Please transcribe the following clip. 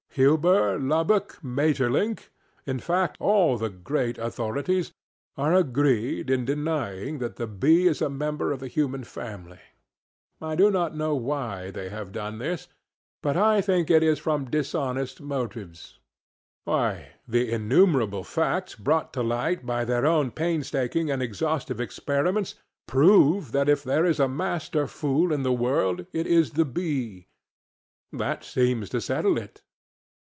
Huber, Lubbock, MaeterlinckŌĆöin fact, all the great authoritiesŌĆöare agreed in denying that the bee is a member of the human family. I do not know why they have done this, but I think it is from dishonest motives. Why, the innumerable facts brought to light by their own painstaking and exhaustive experiments prove that if there is a master fool in the world, it is the bee. That seems to settle it.